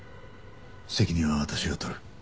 責任は私が取る。